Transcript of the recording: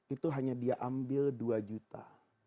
itu hanya dia ambil dua juta